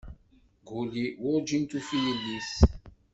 Guli werǧin tufi yelli-s.